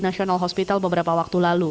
national hospital beberapa waktu lalu